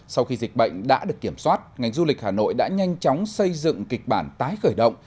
sau khi dịch bệnh đã được kiểm soát ngành du lịch hà nội đã nhanh chóng xây dựng kịch bản tái khởi động